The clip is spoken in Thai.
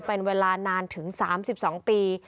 เป็นเวลานานถึง๓๒ปี